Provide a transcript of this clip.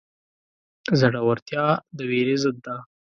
زړورتیا د وېرې ضد ده.